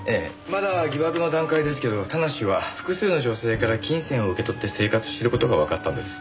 まだ疑惑の段階ですけど田無は複数の女性から金銭を受け取って生活してる事がわかったんです。